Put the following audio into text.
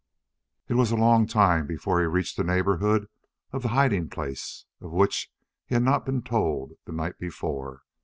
It was a long time before he reached the neighborhood of the hiding place of which he had not been told the night before.